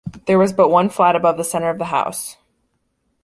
There was but one flat above the center of the house.